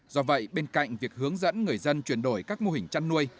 do vậy bên cạnh việc hướng dẫn người dân chuyển đổi các mô hình chăn nuôi